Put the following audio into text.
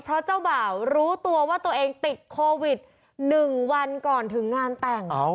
เพราะเจ้าบ่าวรู้ตัวว่าตัวเองติดโควิด๑วันก่อนถึงงานแต่ง